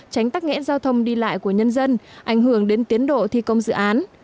tránh tắc nghẽn giao thông đi lại của nhân dân ảnh hưởng đến tiến độ thi công dự án